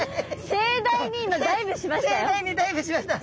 盛大にダイブしました。